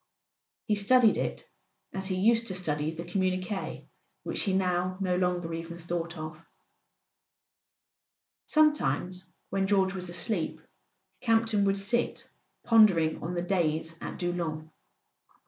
He studied it as he used to study the communiques which he now no longer even thought of. Sometimes when George was asleep Campton would [ 292 ] A SON AT THE FRONT sit pondering on the days at Doullens.